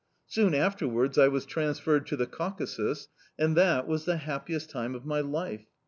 Soon afterwards I was transferred to the Caucasus; and that was the happiest time of my life.